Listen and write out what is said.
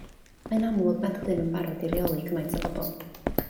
Mae'n amlwg nad ydyn nhw'n barod i reoli cymaint o bobl